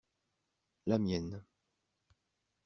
La mienne.